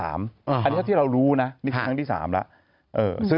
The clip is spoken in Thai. อันนี้ที่เรารู้นะนี่คือครั้งที่๓แล้ว